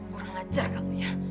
kurang ajar kamu ya